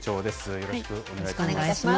よろしくお願いします。